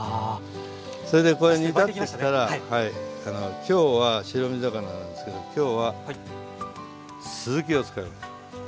それでこれ煮立ってきたら今日は白身魚なんですけど今日はすずきを使います。